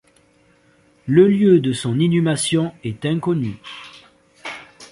Le lieu de son inhumation est inconnue.